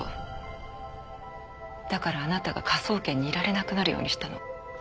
だからあなたが科捜研にいられなくなるようにしたの。